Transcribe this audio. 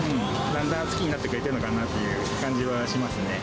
だんだん好きになってくれてるのかなっていう感じはしますね。